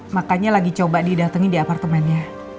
makanya lagi coba didatengin di apartemennya